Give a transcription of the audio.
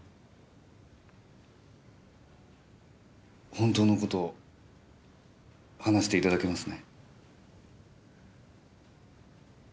本当の事を話していただけますね。